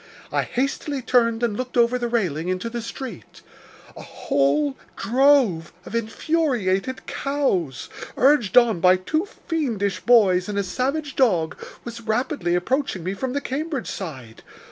I hastily turned and looked over the railing into the street. A whole drove of infuriated cows, urged on by two fiendish boys and a savage dog, was rapidly approaching me from the Cambridge side.